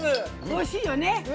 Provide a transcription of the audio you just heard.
おいしいよね？ね？